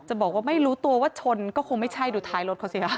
บอกว่าไม่รู้ตัวว่าชนก็คงไม่ใช่ดูท้ายรถเขาสิค่ะ